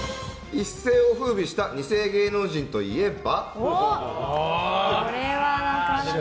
一世を風靡した２世芸能人といえば？